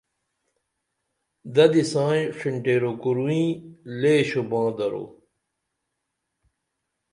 ددی سائیں شینٹیری کوریں لے شوباں درو